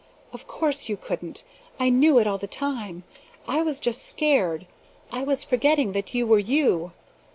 Of course you couldn't! I knew it all the time! I was just scared! I was forgetting that you were you!